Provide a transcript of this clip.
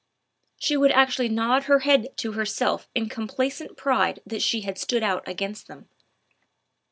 She would actually nod her head to herself in complacent pride that she had stood out against them.